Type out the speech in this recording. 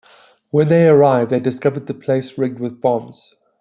When they arrive, they discovered the place rigged with bombs.